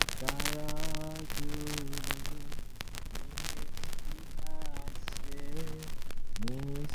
এখন মা নিয়ে গেলে হয়।